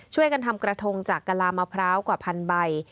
ช่วยกันทำกระทงจากกะลามะพร้าวกว่าพันใบ